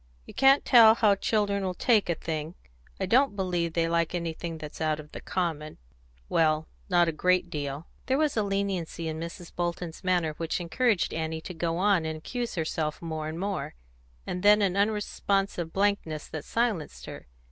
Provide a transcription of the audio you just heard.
"You can't tell how children will take a thing. I don't believe they like anything that's out of the common well, not a great deal." There was a leniency in Mrs. Bolton's manner which encouraged Annie to go on and accuse herself more and more, and then an unresponsive blankness that silenced her.